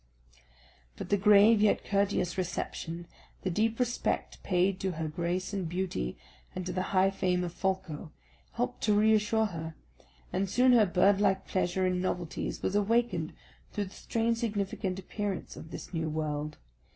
But the grave yet courteous reception, the deep respect paid to her grace and beauty, and to the high fame of Folko, helped to re assure her; and soon her bird like pleasure in novelties was awakened through the strange significant appearance of this new world.